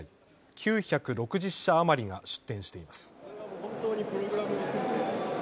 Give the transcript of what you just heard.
９６０社余りが出展しています。